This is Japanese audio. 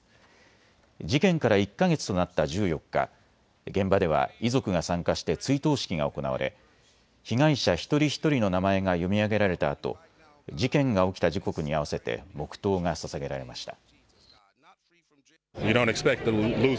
事件から１か月となった１４日、現場では遺族が参加して追悼式が行われ、被害者一人一人の名前が読み上げられたあと事件が起きた時刻に合わせて黙とうがささげられました。